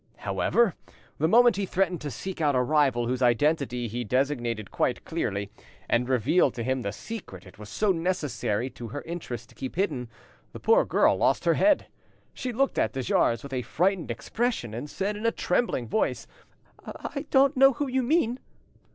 However, the moment he threatened to seek out a rival whose identity he designated quite clearly, and reveal to him the secret it was so necessary to her interests to keep hidden, the poor girl lost her head. She looked at de Jars with a frightened expression, and said in a trembling voice— "I don't know whom you mean."